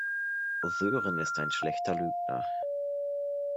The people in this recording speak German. Sören ist ein schlechter Lügner.